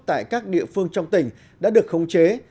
tại các địa phương trong tỉnh đã được khống chế